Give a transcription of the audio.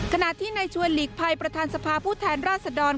ขณะที่ในชวนหลีกภัยประธานสภาผู้แทนราชดร